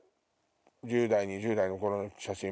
１０代２０代の頃の写真。